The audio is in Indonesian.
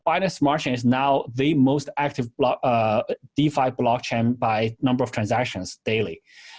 binance smart chain adalah blockchain defi yang paling aktif dalam jumlah transaksi sehari